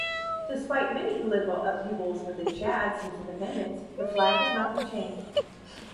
Despite many political upheavals within Chad since independence, the flag has not been changed.